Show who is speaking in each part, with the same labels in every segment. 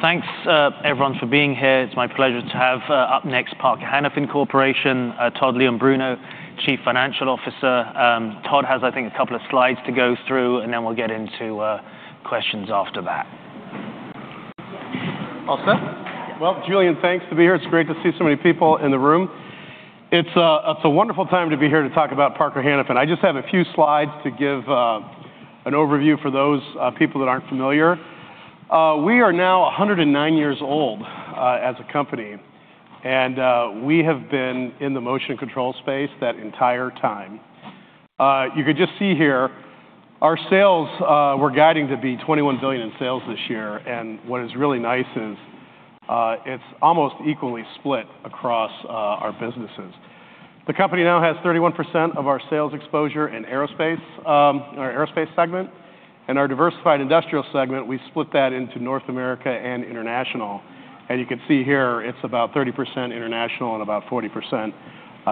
Speaker 1: Thanks, everyone for being here. It's my pleasure to have up next, Parker Hannifin Corporation, Todd Leombruno, Chief Financial Officer. Todd has, I think, a couple of slides to go through, and then we'll get into questions after that.
Speaker 2: All set? Well, Julian, thanks to be here. It's great to see so many people in the room. It's a wonderful time to be here to talk about Parker Hannifin. I just have a few slides to give an overview for those people that aren't familiar. We are now 109 years old as a company, and we have been in the motion control space that entire time. You can just see here, our sales, we're guiding to be $21 billion in sales this year, and what is really nice is, it's almost equally split across our businesses. The company now has 31% of our sales exposure in aerospace, in our Aerospace segment, and our Diversified Industrial segment, we've split that into North America and International. You can see here, it's about 30% International and about 40%,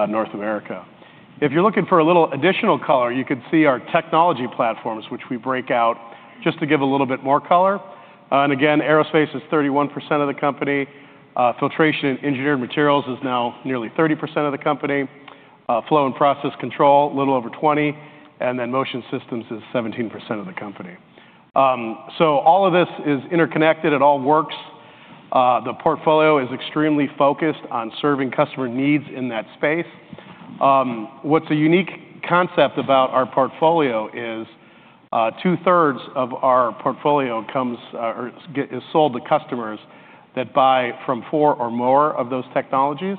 Speaker 2: North America. If you're looking for a little additional color, you can see our technology platforms, which we break out just to give a little bit more color. And again, aerospace is 31% of the company. Filtration and Engineered Materials is now nearly 30% of the company. Flow and Process Control, a little over 20, and then Motion Systems is 17% of the company. So all of this is interconnected. It all works. The portfolio is extremely focused on serving customer needs in that space. What's a unique concept about our portfolio is, 2/3 of our portfolio comes or is sold to customers that buy from four or more of those technologies.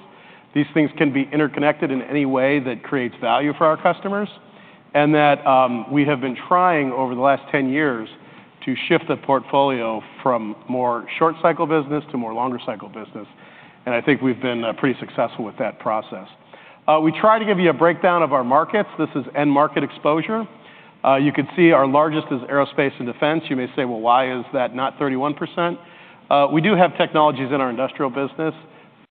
Speaker 2: These things can be interconnected in any way that creates value for our customers, and that, we have been trying over the last 10 years to shift the portfolio from more short-cycle business to more longer-cycle business, and I think we've been, pretty successful with that process. We tried to give you a breakdown of our markets. This is end market exposure. You can see our largest is aerospace and defense. You may say, "Well, why is that not 31%?" We do have technologies in our industrial business,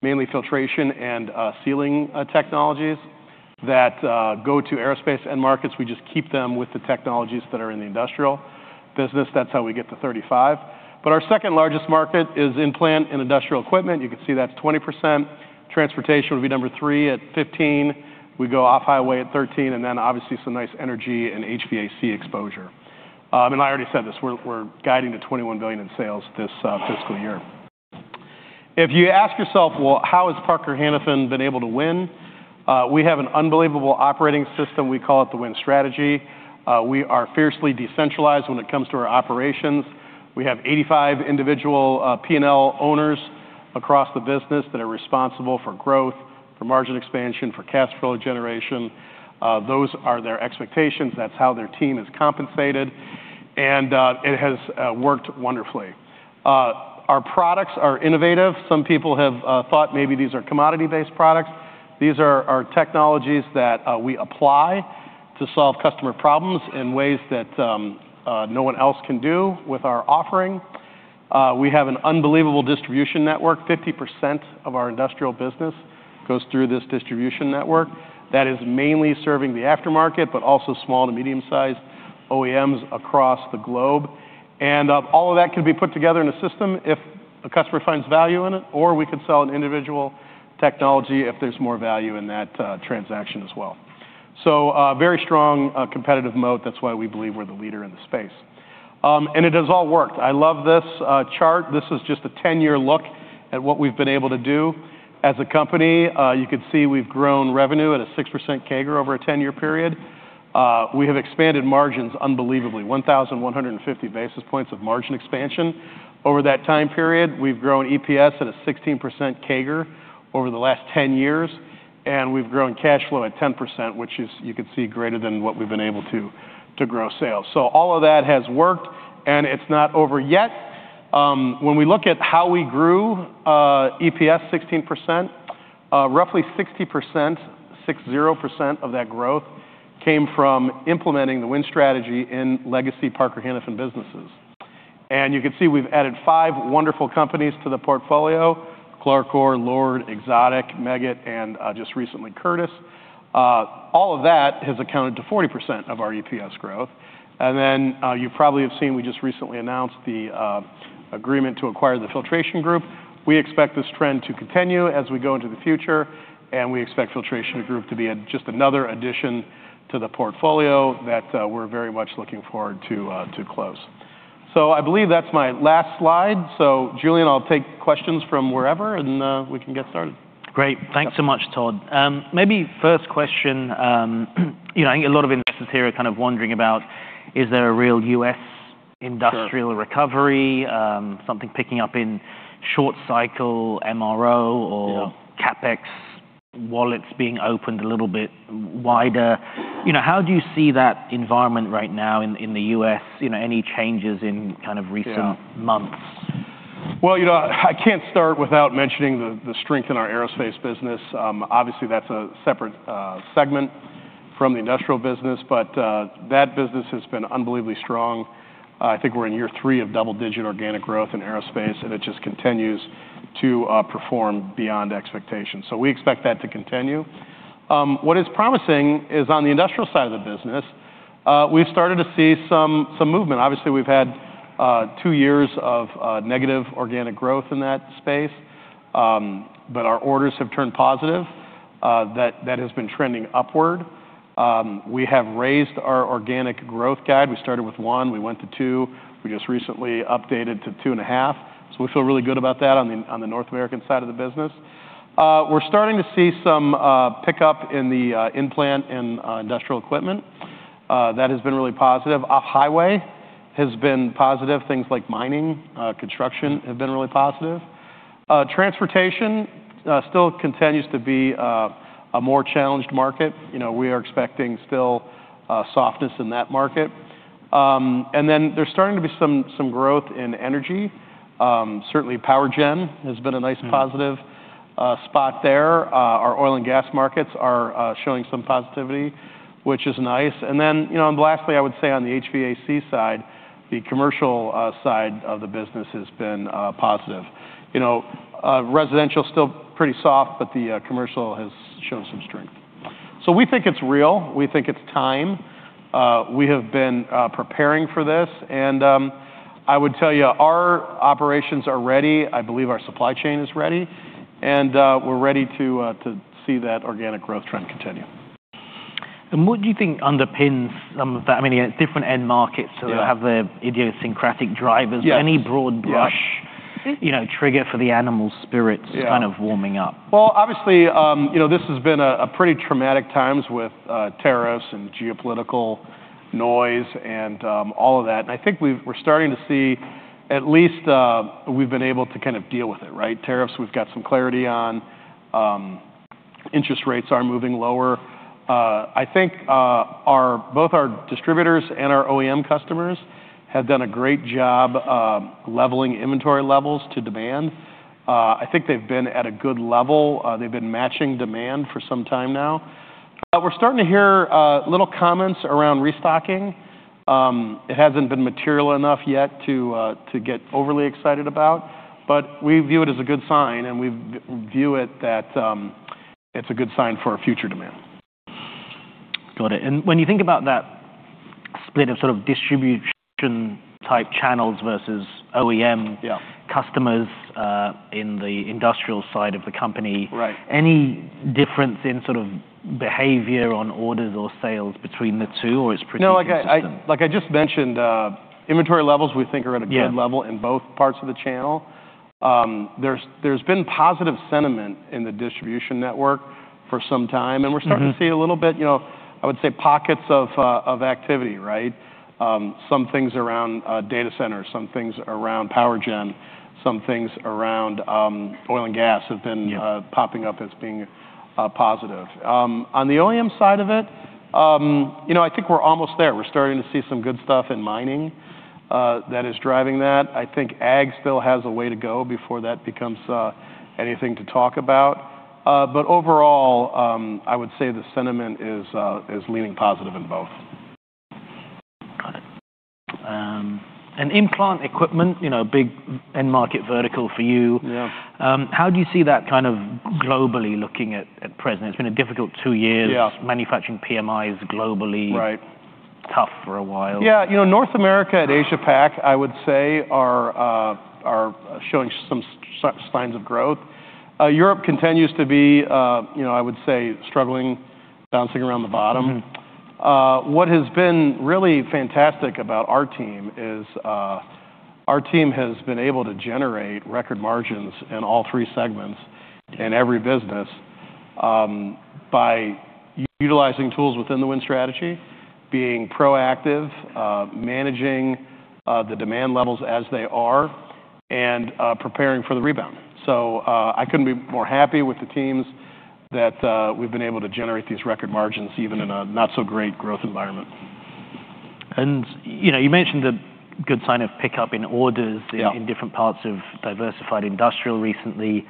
Speaker 2: mainly filtration and, sealing, technologies, that, go to aerospace end markets. We just keep them with the technologies that are in the industrial business. That's how we get to 35%. But our second largest market is In-Plant and Industrial Equipment. You can see that's 20%. Transportation would be number three at 15%. We go Off-Highway at 13%, and then obviously some nice energy and HVAC exposure. And I already said this, we're guiding to $21 billion in sales this fiscal year. If you ask yourself, well, how has Parker Hannifin been able to win? We have an unbelievable operating system. We call it the Win Strategy. We are fiercely decentralized when it comes to our operations. We have 85 individual P&L owners across the business that are responsible for growth, for margin expansion, for cash flow generation. Those are their expectations. That's how their team is compensated, and it has worked wonderfully. Our products are innovative. Some people have thought maybe these are commodity-based products. These are technologies that we apply to solve customer problems in ways that no one else can do with our offering. We have an unbelievable distribution network. 50% of our industrial business goes through this distribution network. That is mainly serving the aftermarket, but also small to medium-sized OEMs across the globe. And all of that can be put together in a system if a customer finds value in it, or we could sell an individual technology if there's more value in that transaction as well. So a very strong competitive mode. That's why we believe we're the leader in the space. And it has all worked. I love this chart. This is just a 10-year look at what we've been able to do as a company. You can see we've grown revenue at a 6% CAGR over a 10-year period. We have expanded margins unbelievably, 1,150 basis points of margin expansion over that time period. We've grown EPS at a 16% CAGR over the last 10 years, and we've grown cash flow at 10%, which is, you can see, greater than what we've been able to grow sales. So all of that has worked, and it's not over yet. When we look at how we grew EPS 16%, roughly 60%, 60% of that growth, came from implementing the Win Strategy in legacy Parker Hannifin businesses. And you can see we've added 5 wonderful companies to the portfolio: Clarcor, LORD, Exotic, Meggitt, and just recently, Curtiss. All of that has accounted to 40% of our EPS growth. And then, you probably have seen, we just recently announced the agreement to acquire the Filtration Group. We expect this trend to continue as we go into the future, and we expect Filtration Group to be just another addition to the portfolio that, we're very much looking forward to, to close. So I believe that's my last slide. So Julian, I'll take questions from wherever, and, we can get started.
Speaker 1: Great. Thanks so much, Todd. Maybe first question, you know, I think a lot of investors here are kind of wondering about, is there a real U.S. industrial recovery, something picking up in short cycle MRO or CapEx wallets being opened a little bit wider? You know, how do you see that environment right now in the U.S.? You know, any changes in kind of recent months?
Speaker 2: Well, you know, I can't start without mentioning the strength in our aerospace business. Obviously, that's a separate segment from the industrial business, but that business has been unbelievably strong. I think we're in year three of double-digit organic growth in aerospace, and it just continues to perform beyond expectations. So we expect that to continue. What is promising is on the industrial side of the business, we've started to see some movement. Obviously, we've had two years of negative organic growth in that space. But our orders have turned positive. That has been trending upward. We have raised our organic growth guide. We started with 1%, we went to 2%. We just recently updated to 2.5%. So we feel really good about that on the North American side of the business. We're starting to see some pickup in the in-plant and industrial equipment. That has been really positive. Highway has been positive. Things like mining, construction have been really positive. Transportation still continues to be a more challenged market. You know, we are expecting still softness in that market. And then there's starting to be some growth in energy. Certainly, power gen has been a nice positive spot there. Our oil and gas markets are showing some positivity, which is nice. And then, you know, and lastly, I would say on the HVAC side, the commercial side of the business has been positive. You know, residential is still pretty soft, but the commercial has shown some strength. So we think it's real. We think it's time. We have been preparing for this, and I would tell you, our operations are ready. I believe our supply chain is ready, and we're ready to see that organic growth trend continue.
Speaker 1: What do you think underpins some of that? I mean, different end markets have their idiosyncratic drivers.
Speaker 2: Yes.
Speaker 1: Any broad brush, you know, trigger for the animal spirits kind of warming up?
Speaker 2: Well, obviously, you know, this has been a pretty traumatic times with tariffs and geopolitical noise and all of that. And I think we're starting to see at least, we've been able to kind of deal with it, right? Tariffs, we've got some clarity on. Interest rates are moving lower. I think both our distributors and our OEM customers have done a great job leveling inventory levels to demand. I think they've been at a good level. They've been matching demand for some time now. We're starting to hear little comments around restocking. It hasn't been material enough yet to get overly excited about, but we view it as a good sign, and we view it that it's a good sign for our future demand.
Speaker 1: Got it. When you think about that split of sort of distribution-type channels versus OEM customers, in the industrial side of the company.
Speaker 2: Right
Speaker 1: Any difference in sort of behavior on orders or sales between the two, or it's pretty consistent?
Speaker 2: No, like I just mentioned, inventory levels, we think, are at a good level in both parts of the channel. There's been positive sentiment in the distribution network for some time, and we're starting to see a little bit, you know, I would say, pockets of activity, right? Some things around data centers, some things around power gen, some things around oil and gas have been popping up as being positive. On the OEM side of it, you know, I think we're almost there. We're starting to see some good stuff in mining that is driving that. I think ag still has a way to go before that becomes anything to talk about. But overall, I would say the sentiment is leaning positive in both.
Speaker 1: Got it. And in-plant equipment, you know, big end market vertical for you.
Speaker 2: Yeah.
Speaker 1: How do you see that kind of globally, looking at present? It's been a difficult two years.
Speaker 2: Yeah.
Speaker 1: Manufacturing PMIs globally tough for a while.
Speaker 2: Yeah. You know, North America and Asia-Pac, I would say, are showing some signs of growth. Europe continues to be, you know, I would say, struggling, bouncing around the bottom.
Speaker 1: Mm-hmm.
Speaker 2: What has been really fantastic about our team is, our team has been able to generate record margins in all three segments in every business, by utilizing tools within the Win Strategy, being proactive, managing the demand levels as they are, and preparing for the rebound. So, I couldn't be more happy with the teams, that we've been able to generate these record margins even in a not-so-great growth environment.
Speaker 1: You know, you mentioned a good sign of pickup in orders in different parts of Diversified Industrial recently.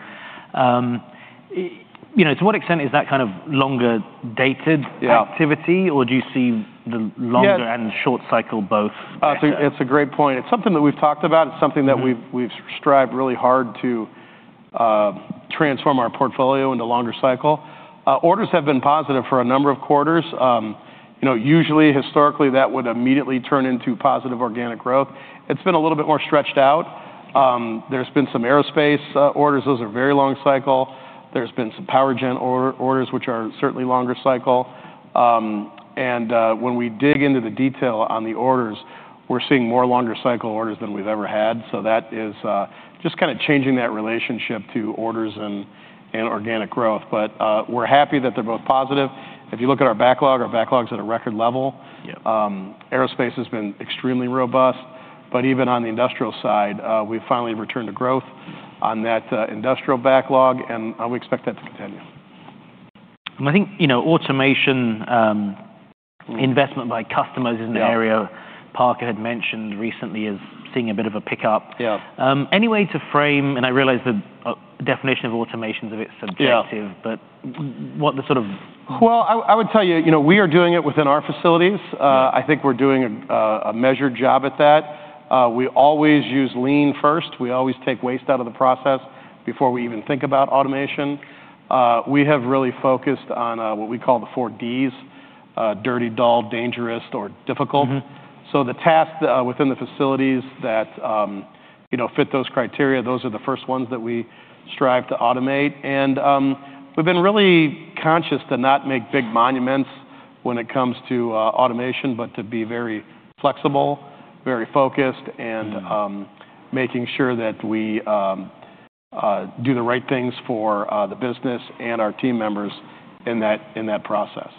Speaker 1: You know, to what extent is that kind of longer-dated activity?
Speaker 2: Yeah.
Speaker 1: Or do you see the longer and short cycle both?
Speaker 2: It's a great point. It's something that we've talked about.
Speaker 1: Mm-hmm.
Speaker 2: It's something that we've, we've strived really hard to transform our portfolio into longer cycle. Orders have been positive for a number of quarters. You know, usually, historically, that would immediately turn into positive organic growth. It's been a little bit more stretched out. There's been some aerospace orders. Those are very long cycle. There's been some power gen orders, which are certainly longer cycle. And when we dig into the detail on the orders, we're seeing more longer cycle orders than we've ever had. So that is just kind of changing that relationship to orders and organic growth. But we're happy that they're both positive. If you look at our backlog, our backlog's at a record level.
Speaker 1: Yeah.
Speaker 2: Aerospace has been extremely robust, but even on the Industrial side, we've finally returned to growth on that Industrial backlog, and we expect that to continue.
Speaker 1: I think, you know, automation, investment by customers is an area Parker had mentioned recently as seeing a bit of a pickup.
Speaker 2: Yeah.
Speaker 1: Any way to frame—and I realize the definition of automation is a bit subjective, but what the sort of-
Speaker 2: Well, I would tell you, you know, we are doing it within our facilities.
Speaker 1: Yeah.
Speaker 2: I think we're doing a measured job at that. We always use lean first. We always take waste out of the process before we even think about automation. We have really focused on what we call the four Ds: dirty, dull, dangerous, or difficult.
Speaker 1: Mm-hmm.
Speaker 2: So the tasks within the facilities that, you know, fit those criteria, those are the first ones that we strive to automate. We've been really conscious to not make big monuments when it comes to automation, but to be very flexible, very focused and, making sure that we do the right things for the business and our team members in that, in that process.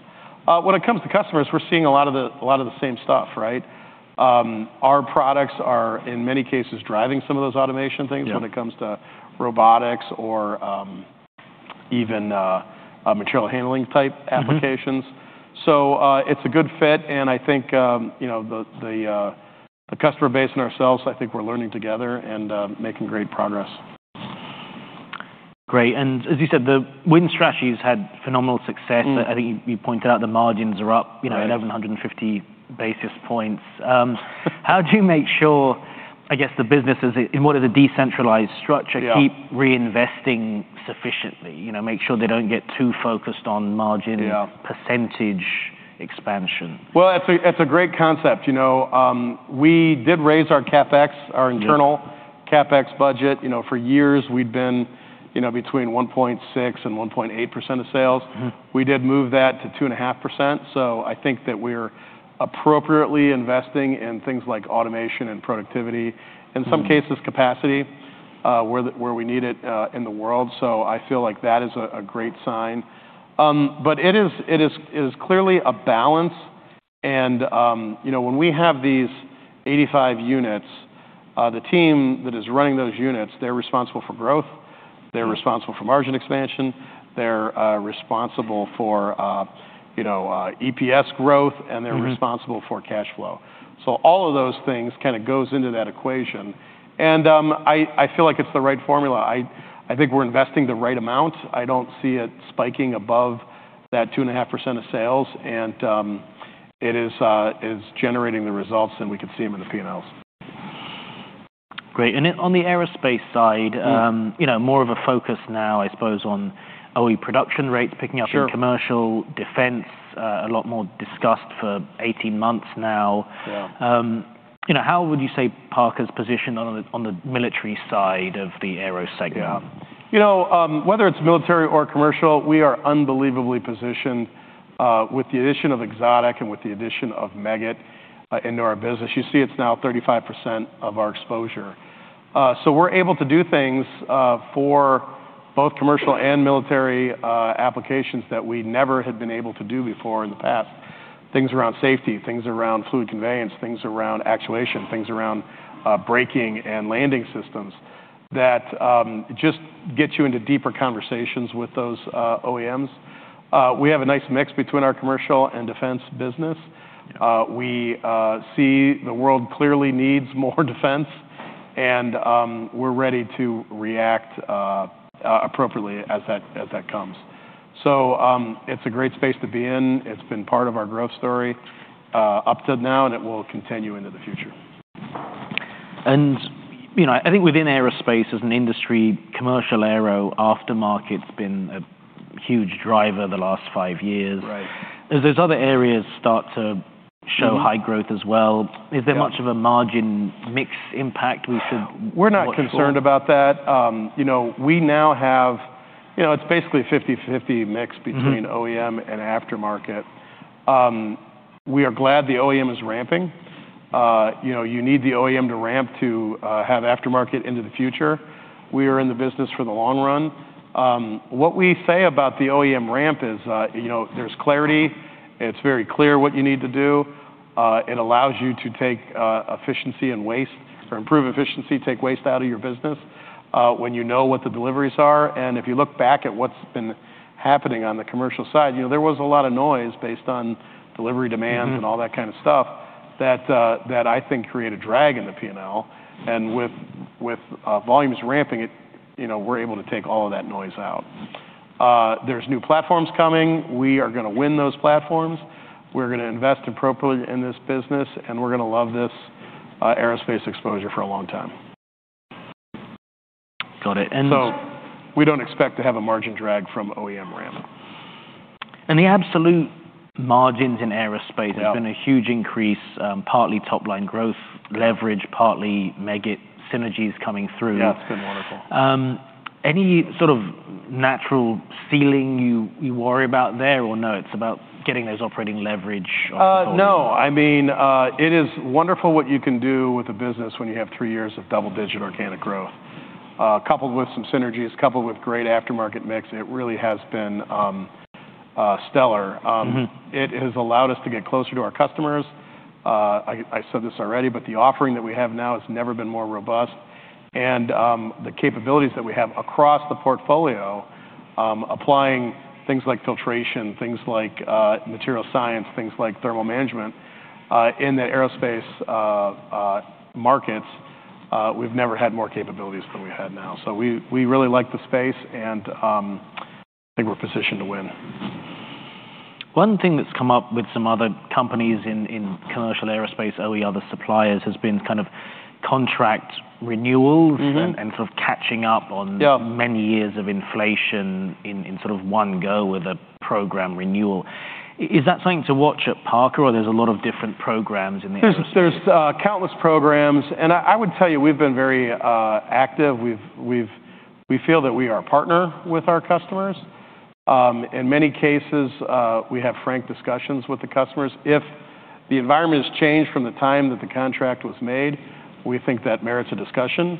Speaker 2: When it comes to customers, we're seeing a lot of the same stuff, right? Our products are, in many cases, driving some of those automation things when it comes to robotics or, even, a material handling type applications.
Speaker 1: Mm-hmm.
Speaker 2: So, it's a good fit, and I think, you know, the customer base and ourselves. I think we're learning together and making great progress.
Speaker 1: Great. As you said, the Win Strategy had phenomenal success.
Speaker 2: Mm.
Speaker 1: I think you pointed out the margins are up you know, 1,150 basis points. How do you make sure, I guess, the businesses in what is a decentralized structure keep reinvesting sufficiently? You know, make sure they don't get too focused on margin percentage expansion.
Speaker 2: Well, that's a great concept. You know, we did raise our CapEx, our internal CapEx budget. You know, for years we'd been, you know, between 1.6% and 1.8% of sales.
Speaker 1: Mm.
Speaker 2: We did move that to 2.5%, so I think that we're appropriately investing in things like automation and productivity, in some cases, capacity, where we need it in the world. So I feel like that is a great sign. But it is clearly a balance, and you know, when we have these 85 units, the team that is running those units, they're responsible for growth, they're responsible for margin expansion, they're responsible for, you know, EPS growth and they're responsible for cash flow. So all of those things kind of goes into that equation, and I feel like it's the right formula. I think we're investing the right amount. I don't see it spiking above that 2.5% of sales, and it is generating the results, and we can see them in the P&Ls.
Speaker 1: Great. On the aerospace side, you know, more of a focus now, I suppose, on OEM production rates picking up in commercial defense. A lot more discussed for 18 months now.
Speaker 2: Yeah.
Speaker 1: You know, how would you say Parker's positioned on the military side of the aero segment?
Speaker 2: Yeah. You know, whether it's military or commercial, we are unbelievably positioned, with the addition of Exotic and with the addition of Meggitt, into our business. You see it's now 35% of our exposure. So we're able to do things, for both commercial and military, applications that we never had been able to do before in the past. Things around safety, things around fluid conveyance, things around actuation, things around braking and landing systems, that just get you into deeper conversations with those OEMs. We have a nice mix between our commercial and defense business.
Speaker 1: Yeah.
Speaker 2: We see the world clearly needs more defense, and we're ready to react appropriately as that comes. So, it's a great space to be in. It's been part of our growth story up to now, and it will continue into the future.
Speaker 1: You know, I think within aerospace as an industry, commercial aero aftermarket's been a huge driver the last five years.
Speaker 2: Right.
Speaker 1: As those other areas start to show high growth as well, is there much of a margin mix impact we should watch for?
Speaker 2: We're not concerned about that. You know, we now have—you know, it's basically a 50/50 mix between OEM and aftermarket. We are glad the OEM is ramping. You know, you need the OEM to ramp to have aftermarket into the future. We are in the business for the long run. What we say about the OEM ramp is, you know, there's clarity, and it's very clear what you need to do. It allows you to improve efficiency, take waste out of your business, when you know what the deliveries are. And if you look back at what's been happening on the commercial side, you know, there was a lot of noise based on delivery demands and all that kind of stuff, that, that I think created drag in the P&L. And with, with, volumes ramping, it, you know, we're able to take all of that noise out. There's new platforms coming. We are gonna win those platforms. We're gonna invest appropriately in this business, and we're gonna love this, aerospace exposure for a long time.
Speaker 1: Got it.
Speaker 2: So we don't expect to have a margin drag from OEM ramp.
Speaker 1: The absolute margins in aerospace has been a huge increase, partly top-line growth, leverage, partly Meggitt synergies coming through.
Speaker 2: Yeah, it's been wonderful.
Speaker 1: Any sort of natural feeling you worry about there, or no, it's about getting those operating leverage on board?
Speaker 2: No. I mean, it is wonderful what you can do with a business when you have three years of double-digit organic growth, coupled with some synergies, coupled with great aftermarket mix, and it really has been stellar.
Speaker 1: Mm-hmm.
Speaker 2: It has allowed us to get closer to our customers. I said this already, but the offering that we have now has never been more robust. And the capabilities that we have across the portfolio, applying things like filtration, things like material science, things like thermal management, in the aerospace markets, we've never had more capabilities than we have now. So we really like the space, and I think we're positioned to win.
Speaker 1: One thing that's come up with some other companies in commercial aerospace, OEM, other suppliers, has been kind of contract renewals, sort of catching up on many years of inflation in sort of one go with a program renewal. Is that something to watch at Parker, or there's a lot of different programs in the aerospace?
Speaker 2: There are countless programs, and I would tell you, we've been very active. We feel that we are a partner with our customers. In many cases, we have frank discussions with the customers. If the environment has changed from the time that the contract was made, we think that merits a discussion.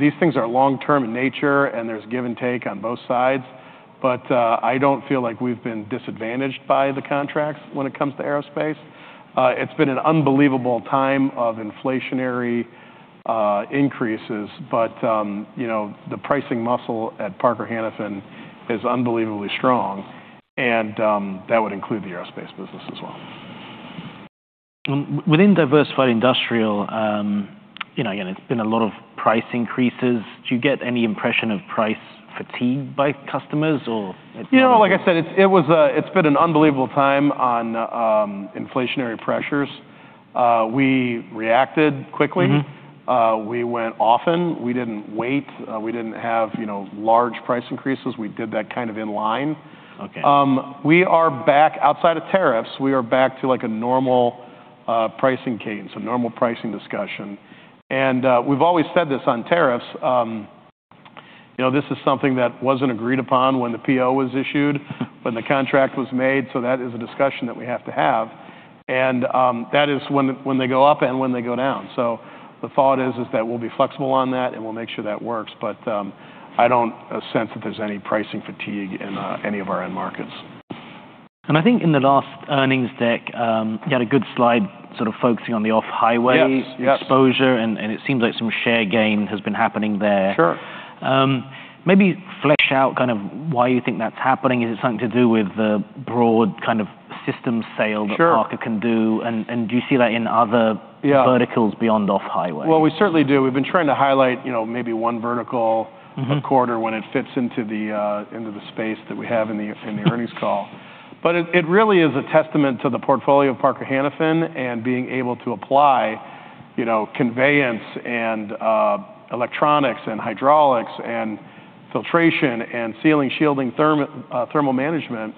Speaker 2: These things are long-term in nature, and there's give and take on both sides, but I don't feel like we've been disadvantaged by the contracts when it comes to aerospace. It's been an unbelievable time of inflationary increases, but you know, the pricing muscle at Parker Hannifin is unbelievably strong, and that would include the aerospace business as well.
Speaker 1: Within Diversified Industrial, you know, again, it's been a lot of price increases. Do you get any impression of price fatigue by customers, or it's not-
Speaker 2: You know, like I said, it's been an unbelievable time on inflationary pressures. We reacted quickly.
Speaker 1: Mm-hmm.
Speaker 2: We went often. We didn't wait. We didn't have, you know, large price increases. We did that kind of in line.
Speaker 1: Okay.
Speaker 2: We are back, outside of tariffs, we are back to, like, a normal pricing cadence, a normal pricing discussion, and we've always said this on tariffs, you know, this is something that wasn't agreed upon when the PO was issued—when the contract was made, so that is a discussion that we have to have. And that is when they go up and when they go down. So the thought is that we'll be flexible on that, and we'll make sure that works, but I don't sense that there's any pricing fatigue in any of our end markets.
Speaker 1: I think in the last earnings deck, you had a good slide sort of focusing on the off-highway exposure, and it seems like some share gain has been happening there.
Speaker 2: Sure.
Speaker 1: Maybe flesh out kind of why you think that's happening. Is it something to do with the broad kind of system sale that Parker can do? And do you see that in other verticals beyond off-highway?
Speaker 2: Well, we certainly do. We've been trying to highlight, you know, maybe one vertical a quarter when it fits into the space that we have in the earnings call. But it really is a testament to the portfolio of Parker Hannifin and being able to apply, you know, conveyance and electronics and hydraulics and filtration and sealing, shielding, thermal management.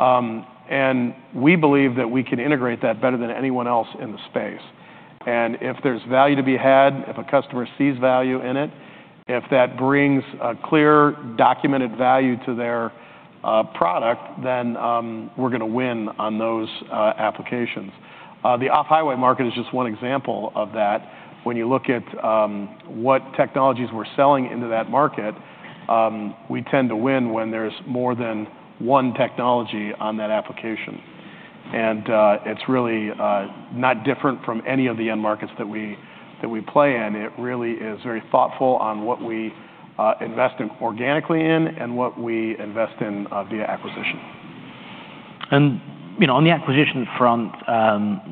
Speaker 2: And we believe that we can integrate that better than anyone else in the space. And if there's value to be had, if a customer sees value in it, if that brings a clear, documented value to their product, then, we're gonna win on those applications. The off-highway market is just one example of that. When you look at what technologies we're selling into that market, we tend to win when there's more than one technology on that application. It's really not different from any of the end markets that we play in. It really is very thoughtful on what we invest in organically in and what we invest in via acquisition.
Speaker 1: You know, on the acquisition front,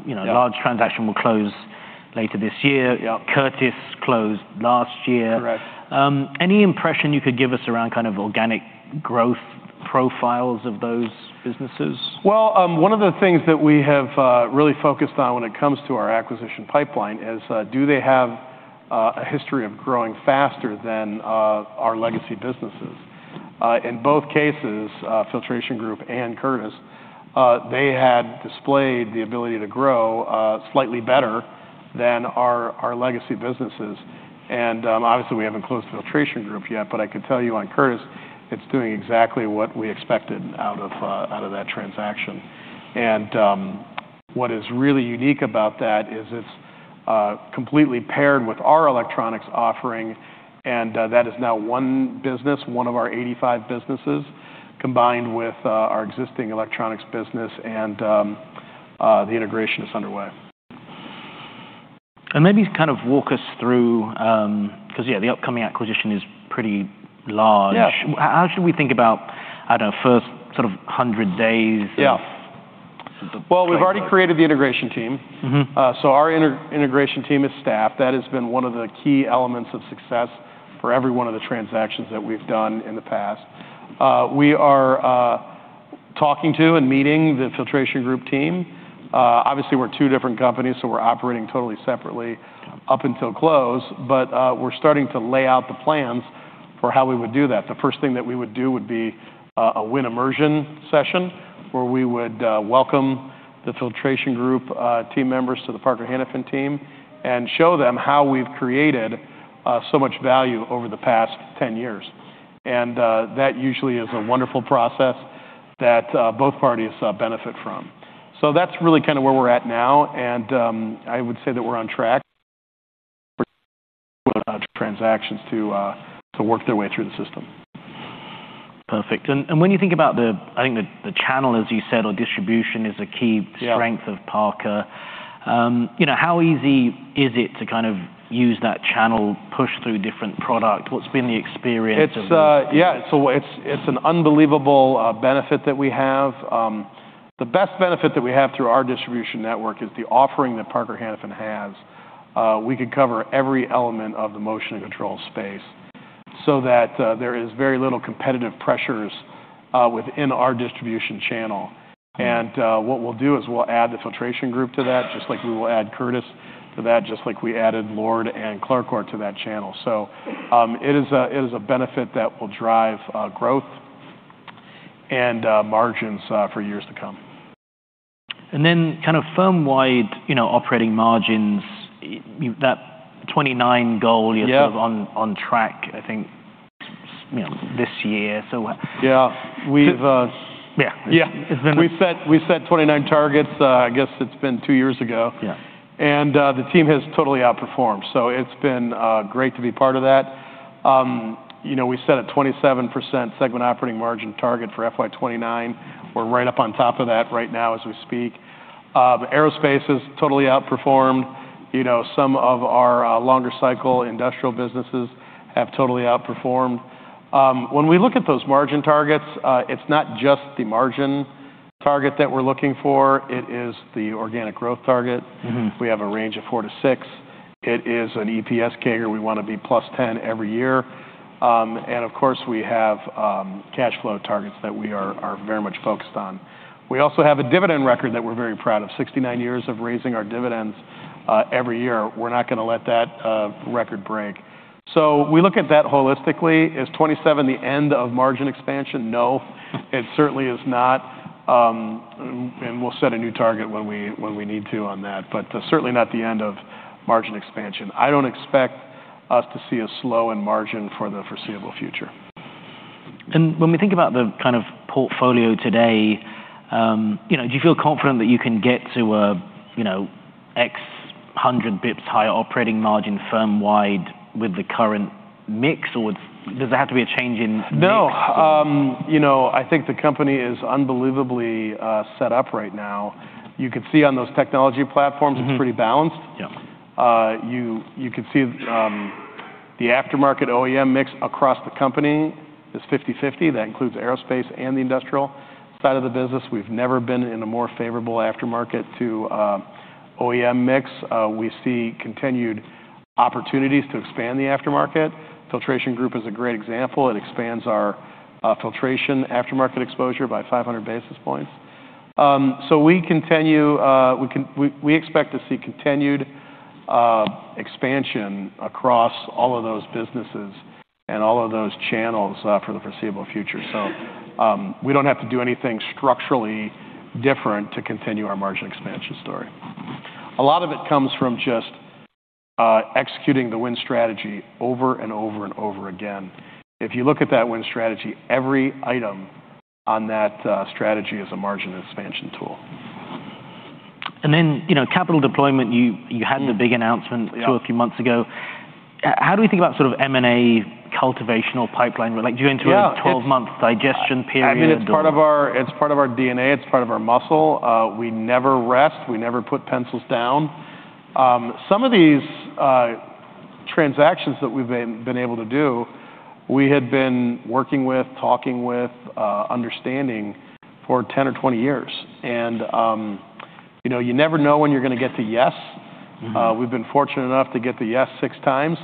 Speaker 1: you know the large transaction will close later this year.
Speaker 2: Yeah.
Speaker 1: Curtiss closed last year.
Speaker 2: Correct.
Speaker 1: Any impression you could give us around kind of organic growth profiles of those businesses?
Speaker 2: Well, one of the things that we have really focused on when it comes to our acquisition pipeline is, do they have a history of growing faster than our legacy businesses? In both cases, Filtration Group and Curtiss, they had displayed the ability to grow slightly better than our legacy businesses. And, obviously, we haven't closed Filtration Group yet, but I can tell you on Curtiss, it's doing exactly what we expected out of that transaction. And, what is really unique about that is it's completely paired with our electronics offering, and that is now one business, one of our 85 businesses, combined with our existing electronics business, and the integration is underway.
Speaker 1: Maybe kind of walk us through, because, yeah, the upcoming acquisition is pretty large.
Speaker 2: Yeah.
Speaker 1: How should we think about, I don't know, first sort of hundred days
Speaker 2: Well, we've already created the integration team.
Speaker 1: Mm-hmm.
Speaker 2: So our integration team is staffed. That has been one of the key elements of success for every one of the transactions that we've done in the past. We are talking to and meeting the Filtration Group team. Obviously, we're two different companies, so we're operating totally separately up until close, but we're starting to lay out the plans for how we would do that. The first thing that we would do would be a Win immersion session, where we would welcome the Filtration Group team members to the Parker Hannifin team and show them how we've created so much value over the past ten years. That usually is a wonderful process that both parties benefit from. So that's really kind of where we're at now, and I would say that we're on track transactions to, to work their way through the system.
Speaker 1: Perfect. And when you think about the channel, I think the channel, as you said, or distribution, is a key strength of Parker. You know, how easy is it to kind of use that channel, push through different product? What's been the experience of-
Speaker 2: It's—yeah, so it's an unbelievable benefit that we have. The best benefit that we have through our distribution network is the offering that Parker Hannifin has. We can cover every element of the motion and control space... so that there is very little competitive pressures within our distribution channel. And what we'll do is we'll add the Filtration Group to that, just like we will add Curtiss to that, just like we added Lord and Clarcor to that channel. So, it is a benefit that will drive growth and margins for years to come.
Speaker 1: And then kind of firm-wide, you know, operating margins, that 29 goal you're sort of on, on track, I think, you know, this year. So-
Speaker 2: Yeah, we've,
Speaker 1: Yeah.
Speaker 2: Yeah. It's been—We set, we set 29 targets. I guess it's been 2 years ago.
Speaker 1: Yeah.
Speaker 2: The team has totally outperformed, so it's been great to be part of that. You know, we set a 27% segment operating margin target for FY 2029. We're right up on top of that right now as we speak. Aerospace has totally outperformed. You know, some of our longer cycle industrial businesses have totally outperformed. When we look at those margin targets, it's not just the margin target that we're looking for. It is the organic growth target.
Speaker 1: Mm-hmm.
Speaker 2: We have a range of 4%-6%. It is an EPS target. We want to be +10% every year. And of course, we have cash flow targets that we are very much focused on. We also have a dividend record that we're very proud of, 69 years of raising our dividends every year. We're not going to let that record break. So we look at that holistically. Is 27% the end of margin expansion? No, it certainly is not. And we'll set a new target when we need to on that, but certainly not the end of margin expansion. I don't expect us to see a slowdown in margin for the foreseeable future.
Speaker 1: When we think about the kind of portfolio today, you know, do you feel confident that you can get to a, you know, X hundred basis points higher operating margin firm-wide with the current mix, or does there have to be a change in mix?
Speaker 2: No. You know, I think the company is unbelievably set up right now. You could see on those technology platforms it's pretty balanced.
Speaker 1: Yeah.
Speaker 2: You, you could see the aftermarket OEM mix across the company is 50/50. That includes aerospace and the industrial side of the business. We've never been in a more favorable aftermarket to OEM mix. We see continued opportunities to expand the aftermarket. Filtration Group is a great example. It expands our filtration aftermarket exposure by 500 basis points. So we continue, we expect to see continued expansion across all of those businesses and all of those channels for the foreseeable future. So, we don't have to do anything structurally different to continue our margin expansion story. A lot of it comes from just executing the Win Strategy over and over and over again. If you look at that Win Strategy, every item on that strategy is a margin expansion tool.
Speaker 1: Then, you know, capital deployment, you had the big announcement a few months ago. How do we think about sort of M&A cultivational pipeline? Like, do you enter a 12-month digestion period or-
Speaker 2: I mean, it's part of our, it's part of our DNA, it's part of our muscle. We never rest, we never put pencils down. Some of these transactions that we've been able to do, we had been working with, talking with, understanding for 10 years or 20 years. And you know, you never know when you're going to get to yes.
Speaker 1: Mm-hmm.
Speaker 2: We've been fortunate enough to get the yes six times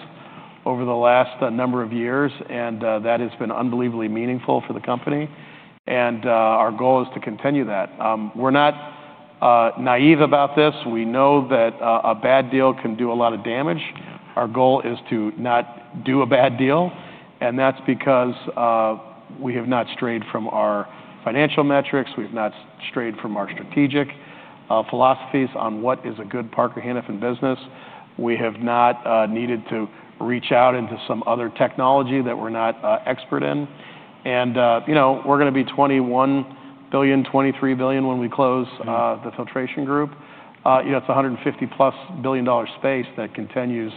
Speaker 2: over the last number of years, and that has been unbelievably meaningful for the company, and our goal is to continue that. We're not naive about this. We know that a bad deal can do a lot of damage. Our goal is to not do a bad deal, and that's because we have not strayed from our financial metrics. We've not strayed from our strategic philosophies on what is a good Parker Hannifin business. We have not needed to reach out into some other technology that we're not expert in. And you know, we're going to be $21 billion-$23 billion when we close the Filtration Group. You know, it's a $150+ billion space that continues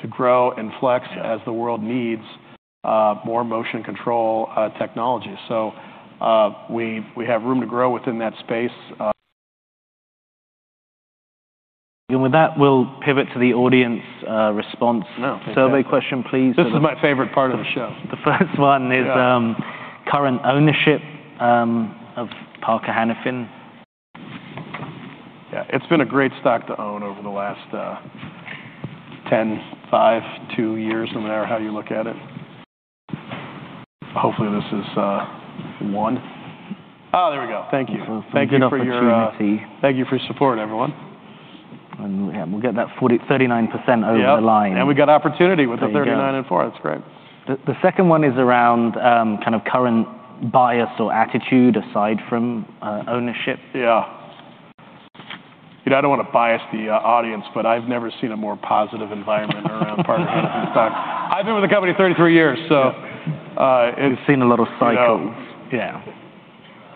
Speaker 2: to grow and flex as the world needs more motion control technology. So, we have room to grow within that space
Speaker 1: With that, we'll pivot to the audience response.
Speaker 2: No.
Speaker 1: Survey question, please.
Speaker 2: This is my favorite part of the show.
Speaker 1: The first one is current ownership of Parker Hannifin.
Speaker 2: Yeah, it's been a great stock to own over the last 10 years, 5 years, 2 years, no matter how you look at it. Hopefully, this is one.
Speaker 1: Oh, there we go. Thank you. Thank you for your
Speaker 2: Thank you for your support, everyone.
Speaker 1: Yeah, we'll get that 43% over the line.
Speaker 2: Yep, and we got opportunity with the 39% and.
Speaker 1: There you go.
Speaker 2: That's great.
Speaker 1: The second one is around kind of current bias or attitude, aside from ownership.
Speaker 2: Yeah. You know, I don't want to bias the audience, but I've never seen a more positive environment around Parker Hannifin stock. I've been with the company 33 years, so, it-
Speaker 1: You've seen a lot of cycles.
Speaker 2: Yeah.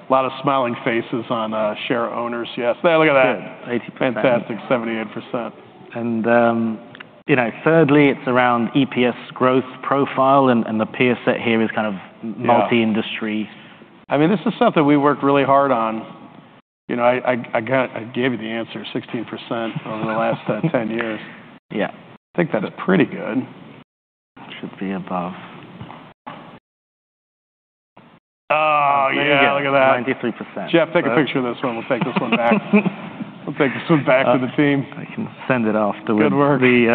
Speaker 2: A lot of smiling faces on, share owners. Yes. There, look at that.
Speaker 1: 80%.
Speaker 2: Fantastic, 78%.
Speaker 1: And, you know, thirdly, it's around EPS growth profile, and, and the peer set here is kind of multi-industry.
Speaker 2: I mean, this is something we worked really hard on. You know, I gave you the answer, 16% over the last 10 years.
Speaker 1: Yeah.
Speaker 2: I think that is pretty good.
Speaker 1: Should be above.
Speaker 2: Oh, yeah, look at that.
Speaker 1: 93%.
Speaker 2: Jeff, take a picture of this one. We'll take this one back. We'll take this one back to the team.
Speaker 1: I can send it off to-
Speaker 2: Good work
Speaker 1: There you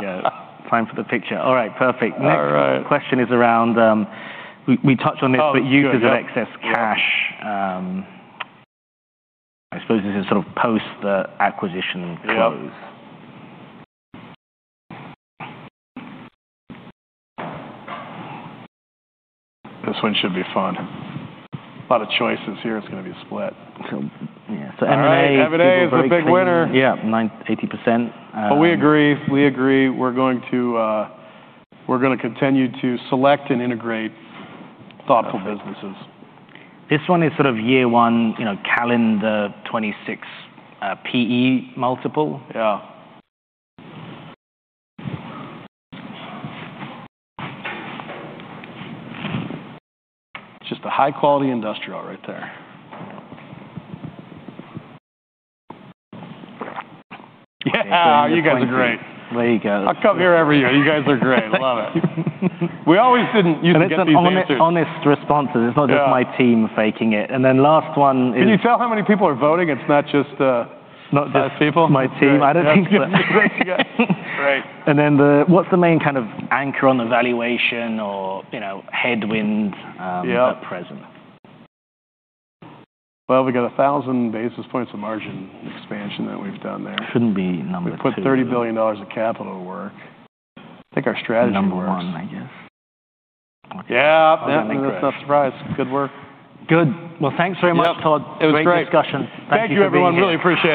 Speaker 1: go. Time for the picture. All right, perfect.
Speaker 2: All right.
Speaker 1: Next question is around. We touched on this-
Speaker 2: Oh, good...
Speaker 1: but use of excess cash. I suppose this is sort of post the acquisition close.
Speaker 2: Yeah. This one should be fun. A lot of choices here. It's going to be split.
Speaker 1: So yeah, so M&A-
Speaker 2: All right, M&A is a big winner.
Speaker 1: Yeah, 98%,
Speaker 2: We agree, we agree. We're going to, we're going to continue to select and integrate thoughtful businesses.
Speaker 1: This one is sort of year one, you know, calendar 2026, P/E multiple.
Speaker 2: Yeah. Just a high-quality industrial right there. Yeah, you guys are great!
Speaker 1: There you go.
Speaker 2: I'll come here every year. You guys are great. Love it. We always didn't usually get these answers.
Speaker 1: Honest, honest responses.
Speaker 2: Yeah.
Speaker 1: It's not just my team faking it. And then last one is-
Speaker 2: Can you tell how many people are voting? It's not just,
Speaker 1: Not just-...
Speaker 2: people.
Speaker 1: My team. I don't think so.
Speaker 2: Right.
Speaker 1: And then, what's the main kind of anchor on the valuation or, you know, headwind at present?
Speaker 2: Well, we got 1,000 basis points of margin expansion that we've done there.
Speaker 1: Shouldn't be number two.
Speaker 2: We put $30 billion of capital to work. I think our strategy works.
Speaker 1: Number one, I guess.
Speaker 2: Yeah.
Speaker 1: Yeah.
Speaker 2: That's no surprise. Good work.
Speaker 1: Good. Well, thanks very much, Todd.
Speaker 2: Yep, it was great.
Speaker 1: Great discussion.
Speaker 2: Thank you, everyone.
Speaker 1: Thank you for being here.
Speaker 2: Really appreciate it.